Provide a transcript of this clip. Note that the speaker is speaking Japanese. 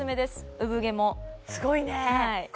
うぶ毛もすごいね